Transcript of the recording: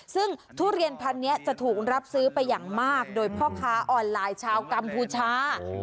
ซึ่งทุเรียนพันธุ์นี้จะถูกรับซื้อไปอย่างมากโดยพ่อค้าออนไลน์ชาวกัมพูชา